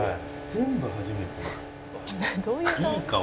全部初めて。